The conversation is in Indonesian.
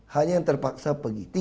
hanya yang terpaksa pergi